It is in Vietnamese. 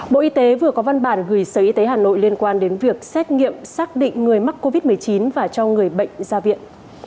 bộ y tế vừa có văn bản gửi sở y tế hà nội liên quan đến việc xét nghiệm xác định người mắc covid một mươi chín và cho người bệnh ra viện